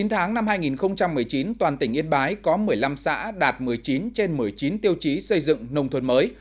chín tháng năm hai nghìn một mươi chín toàn tỉnh yên bái có một mươi năm xã đạt một mươi chín trên một mươi chín tiêu chí xây dựng nông thôn mới